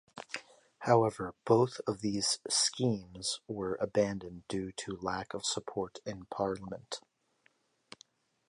However both of these schemes were abandoned due to lack of support in Parliament.